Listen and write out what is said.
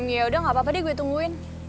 ya udah gapapa deh gue tungguin